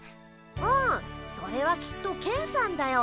うんそれはきっとケンさんだよ。